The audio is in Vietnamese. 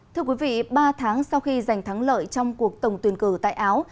thưa quý vị ba tháng sau khi giành thắng lợi trong cuộc tổng tuyển cử tại áo